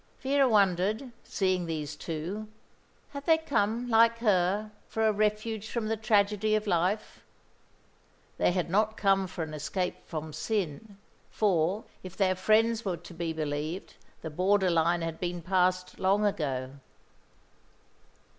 Vera wondered, seeing these two. Had they come, like her, for a refuge from the tragedy of life? They had not come for an escape from sin; for, if their friends were to be believed, the border line had been passed long ago.